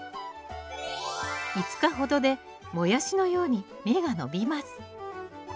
５日ほどでモヤシのように芽が伸びます。